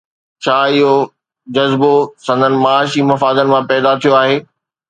ڇا اهو جذبو سندن معاشي مفادن مان پيدا ٿيو آهي؟